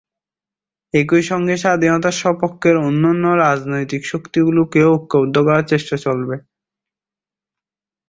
একই সঙ্গে স্বাধীনতার সপক্ষের অন্যান্য রাজনৈতিক শক্তিগুলোকেও ঐক্যবদ্ধ করার চেষ্টা চলবে।